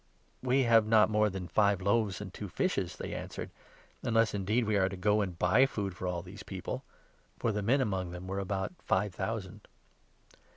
"We have not more than five loaves and two fishes," they answered ; "unless indeed we are to go and buy food for all these people." (For the men among them were about five thousand.)